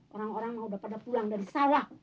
orang orang mau sudah pulang dari sawah